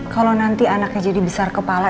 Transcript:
kalau nanti anaknya jadi besar kepala